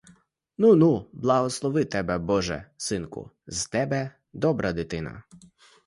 Ну-ну, благослови тебе, боже, синку; з тебе добра дитина.